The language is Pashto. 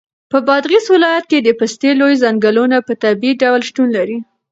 په بادغیس ولایت کې د پستې لوی ځنګلونه په طبیعي ډول شتون لري.